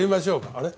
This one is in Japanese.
あれ？